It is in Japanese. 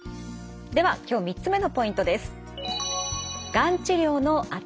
では今日３つ目のポイントです。